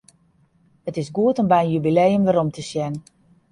It is goed om by in jubileum werom te sjen.